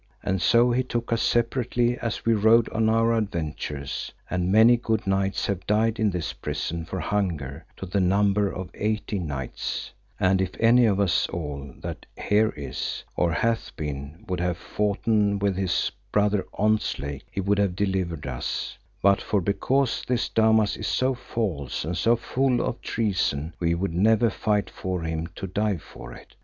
And so he took us separately as we rode on our adventures, and many good knights have died in this prison for hunger, to the number of eighteen knights; and if any of us all that here is, or hath been, would have foughten with his brother Ontzlake, he would have delivered us, but for because this Damas is so false and so full of treason we would never fight for him to die for it.